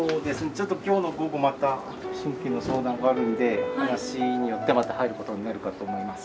ちょっと今日の午後また新規の相談があるので話によってはまた入ることになるかと思います。